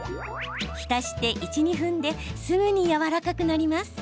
浸して１、２分ですぐにやわらかくなります。